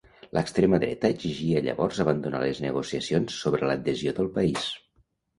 L'extrema dreta exigia llavors abandonar les negociacions sobre l'adhesió del país.